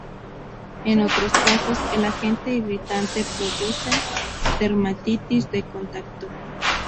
En otros casos, el agente irritante produce dermatitis de contacto.